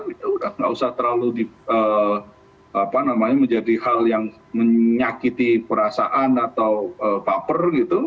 tidak usah terlalu menjadi hal yang menyakiti perasaan atau baper gitu